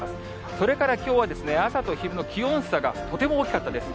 それからきょうは、朝と昼の気温差がとても大きかったです。